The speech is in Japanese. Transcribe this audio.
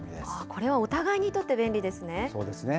これはお互いにとって便利ですね。